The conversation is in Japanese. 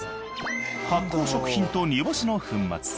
発酵食品と煮干しの粉末。